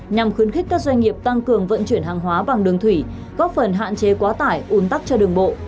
nhằm khuyến khích các doanh nghiệp tăng cường vận chuyển hàng hóa bằng đường thủy góp phần hạn chế quá tải un tắc cho đường bộ